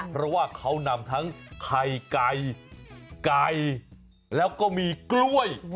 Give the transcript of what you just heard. เพราะว่าเขานำทั้งไข่ไก่ไก่แล้วก็มีกล้วย